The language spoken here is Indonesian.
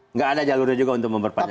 nggak ada jalurnya juga untuk memperpanjang